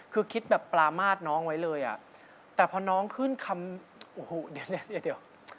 คือคิดแบบปลามาสน้องไว้เลยอ่ะแต่พอน้องขึ้นคำโอ้โหเดี๋ยว